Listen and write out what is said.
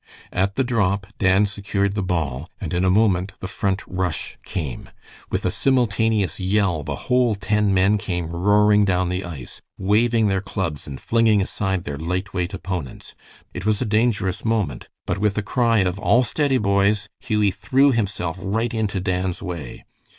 At the drop Dan secured the ball, and in a moment the Front rush came. With a simultaneous yell the whole ten men came roaring down the ice, waving their clubs and flinging aside their lightweight opponents. It was a dangerous moment, but with a cry of "All steady, boys!" Hughie threw himself right into Dan's way.